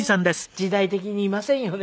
時代的にいませんよね